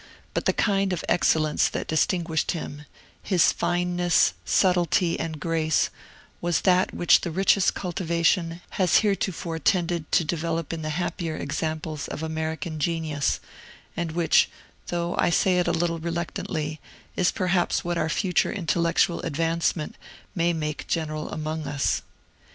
But the kind of excellence that distinguished him his fineness, subtilty, and grace was that which the richest cultivation has heretofore tended to develop in the happier examples of American genius, and which (though I say it a little reluctantly) is perhaps what our future intellectual advancement may make general among us.